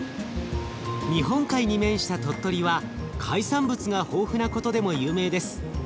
日本海に面した鳥取は海産物が豊富なことでも有名です。